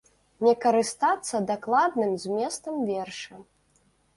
Не карыстацца дакладным зместам верша.